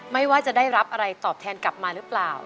ไม่ว่าจะได้รับอะไรตอบแทนกลับมาหรือเปล่า